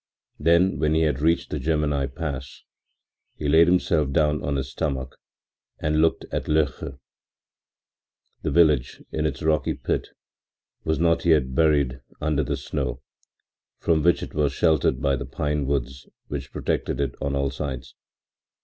Then when he had reached the Gemmi Pass, he laid himself down on his stomach and looked at Loeche. The village, in its rocky pit, was not yet buried under the snow, from which it was sheltered by the pine woods which protected it on all sides.